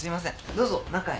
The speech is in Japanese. どうぞ中へ。